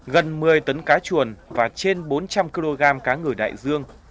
gần một mươi tấn cá chuồn và trên bốn trăm linh kg cá ngửi đại dương